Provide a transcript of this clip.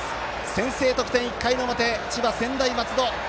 先制得点、１回の表千葉、専大松戸。